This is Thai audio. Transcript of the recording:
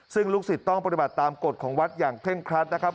ซึ่งลูกศิษย์ต้องปฏิบัติตามกฎของวัดอย่างเคร่งครัดนะครับ